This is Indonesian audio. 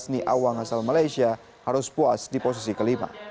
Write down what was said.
asli awang asal malaysia harus puas di posisi ke lima